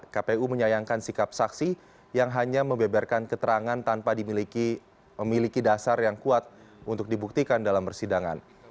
kpu menyayangkan sikap saksi yang hanya membeberkan keterangan tanpa memiliki dasar yang kuat untuk dibuktikan dalam persidangan